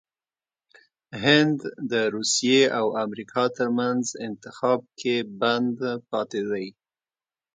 هند دروسیه او امریکا ترمنځ انتخاب کې بند پاتې دی😱